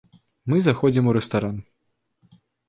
Мы заходзім у рэстаран.